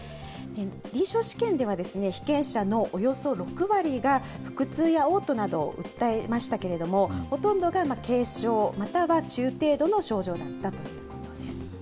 臨床試験では、被験者のおよそ６割が、腹痛やおう吐などを訴えましたけれども、ほとんどが軽症、または中程度の症状だったということです。